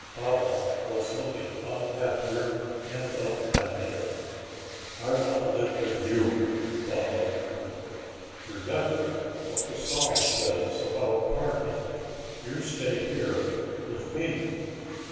Baba was looking unhappier and unhappier. "I want to live with you," Baba repeated. "Remember what the song says about parting. You stay here with me."